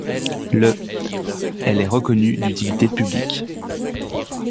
Le elle est reconnue d'utilité publique.